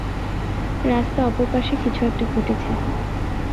রাস্তা অপর পাশে কিছু একটা ঘটছে।